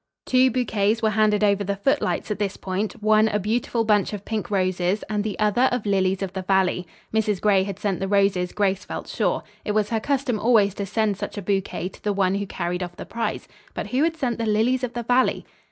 Two bouquets were handed over the footlights at this point, one a beautiful bunch of pink roses and the other of lilies of the valley. Mrs. Gray had sent the roses Grace felt sure. It was her custom always to send such a bouquet to the one who carried off the prize. But who had sent the lilies of the valley?